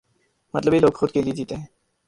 مطلبی لوگ خود کے لئے جیتے ہیں۔